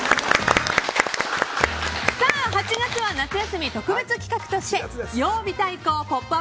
８月は夏休み特別企画として曜日対抗「ポップＵＰ！」